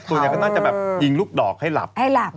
ตัวเนี่ยตัวเนี่ยบ้วยจะแบบยิงลูกดอกให้หลับให้หลับ